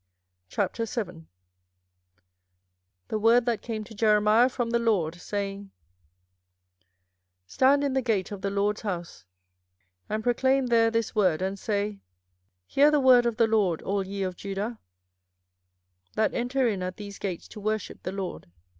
24:007:001 The word that came to Jeremiah from the LORD, saying, 24:007:002 Stand in the gate of the LORD's house, and proclaim there this word, and say, Hear the word of the LORD, all ye of Judah, that enter in at these gates to worship the LORD.